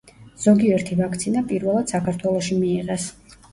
ზოგიერთი ვაქცინა პირველად საქართველოში მიიღეს.